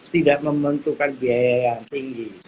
tidak membutuhkan biaya yang tinggi